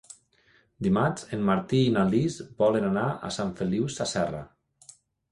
Dimarts en Martí i na Lis volen anar a Sant Feliu Sasserra.